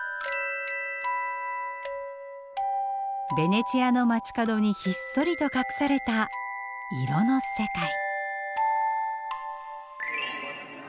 ベネチアの街角にひっそりと隠された色の世界。